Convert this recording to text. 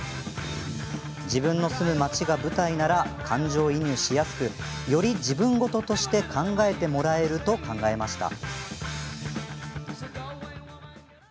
自分の住む町が舞台なら感情移入しやすくより自分事として考えてもらえると考えました。